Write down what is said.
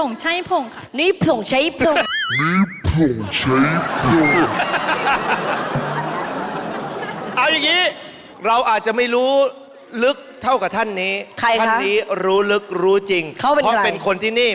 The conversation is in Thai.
เขาเป็นใครเพราะเป็นคนที่นี่